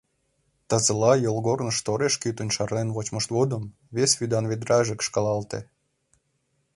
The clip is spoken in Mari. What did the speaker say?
Тазыла йолгорныш тореш-кутынь шарлен вочмышт годым вес вӱдан ведраже кышкалалте.